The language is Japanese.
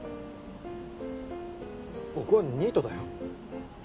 僕はニートだよ。